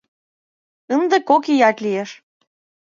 Ынде кок ият лиеш.